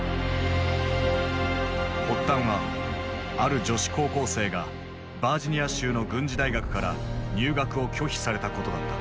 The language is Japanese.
発端はある女子高校生がバージニア州の軍事大学から入学を拒否されたことだった。